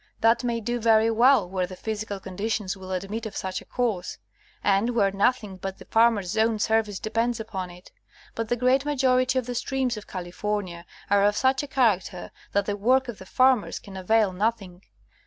That may do very well where the physical conditions will admit of such a course, and where nothing but the farmers' own service depends upon it ; but the great majority of the streams of California are of such a character that the work of the farmers can avail nothing.